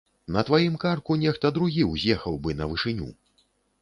На тваім карку нехта другі ўз'ехаў бы на вышыню.